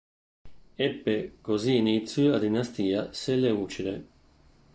Ebbe così inizio la dinastia seleucide.